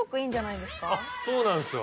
そうなんですよ